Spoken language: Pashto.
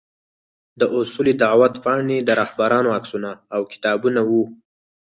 د اصول دعوت پاڼې، د رهبرانو عکسونه او کتابونه وو.